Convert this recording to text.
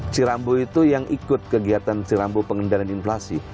cirambu itu yang ikut kegiatan cirambu pengendalian inflasi